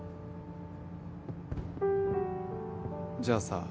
じゃあさ。